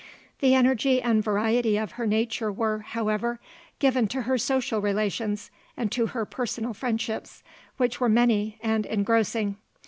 The energy and variety of her nature were, however, given, to her social relations and to her personal friendships, which were many and engrossing.